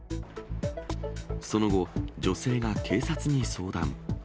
その後、女性が警察に相談。